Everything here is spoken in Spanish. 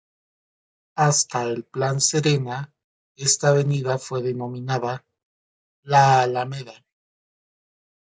Hasta el Plan Serena esta avenida fue denominada "La Alameda".